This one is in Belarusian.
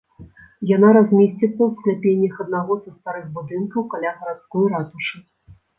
Яна размесціцца ў скляпеннях аднаго са старых будынкаў каля гарадской ратушы.